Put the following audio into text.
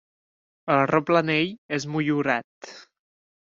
El replanell és motllurat.